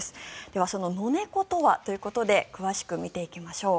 ではそのノネコとはということで詳しく見ていきましょう。